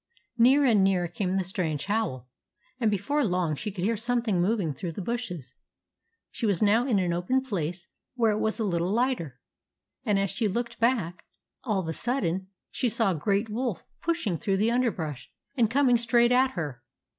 Nearer and nearer came the strange howl, and before long she could hear something moving through the bushes. She was now in an open place where it was a little lighter ; and, as she looked back, all of a sudden she saw a great wolf push ing through the underbrush, and coming straight at her.